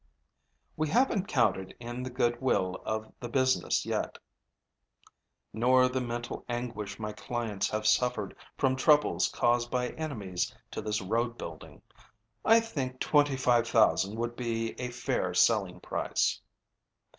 "We haven't counted in the good will of the business yet, nor the mental anguish my clients have suffered from troubles caused by enemies to this road building. I think $25,000 would be a fair selling price."